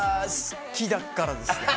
好きだからですね。